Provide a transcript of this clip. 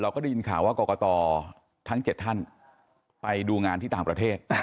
ก็ได้ยินข่าวว่ากรกตทั้ง๗ท่านไปดูงานที่ต่างประเทศ